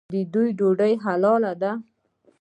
د دوی ډوډۍ حلاله ده.